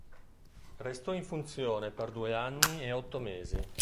Restò in funzione per due anni e otto mesi.